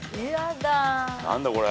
何だこれ？